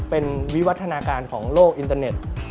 เป็นวิวัฒนาการของโลกอินเตอร์เน็ต